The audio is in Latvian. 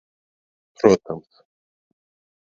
Protams.